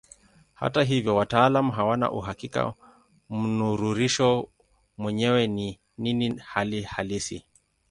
Hata hivyo wataalamu hawana uhakika mnururisho mwenyewe ni nini hali halisi.